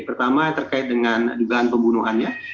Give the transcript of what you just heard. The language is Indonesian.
pertama terkait dengan dugaan pembunuhannya